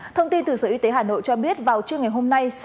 thông tin từ sở y tế hà nội cho biết vào trưa ngày hôm nay